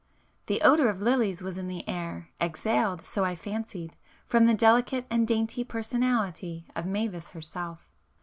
The odour of lilies was in the air, exhaled, so I fancied, from the delicate and dainty personality of Mavis herself.